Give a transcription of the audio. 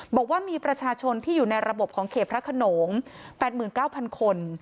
บอกว่ามีประชาชนที่อยู่ในระบบของเขตพระขนงแปดหมื่นเก้าพันคน